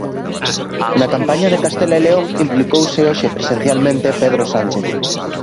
Na campaña de Castela e León implicouse hoxe presencialmente Pedro Sánchez.